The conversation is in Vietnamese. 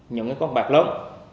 những con bạc lớn